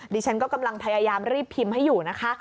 ดิฉันก็กำลังพยายามรีบพิมพ์ให้อยู่นะคะ